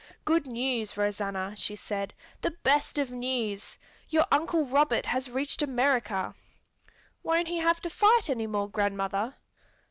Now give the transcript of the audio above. "Good news, Rosanna," she said. "The best of news! Your Uncle Robert has reached America!" "Won't he have to fight any more, grandmother?"